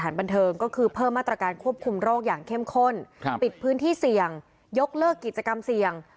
และปลูกคนเสี่ยง